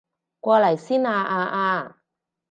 過嚟先啊啊啊